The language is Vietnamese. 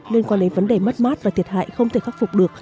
liên quan đến vấn đề mất mát và thiệt hại không thể khắc phục được